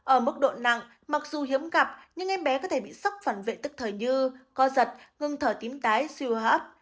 ở mức độ nặng mặc dù hiếm gặp nhưng em bé có thể bị sốc phản vệ tức thời như co giật ngưng thở tím tái suy hấp